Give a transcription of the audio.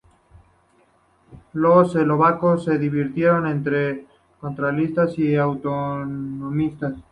Los eslovacos se dividieron entre centralistas y autonomistas.